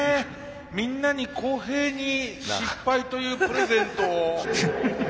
みんなに公平に失敗というプレゼントを。